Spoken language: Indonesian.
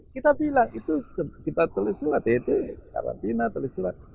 kita bilang itu kita tulis surat itu karantina tulis surat